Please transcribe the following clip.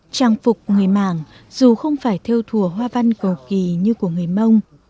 trang phục người mảng dù không phải theo thùa hoa văn cầu kỳ như của người mông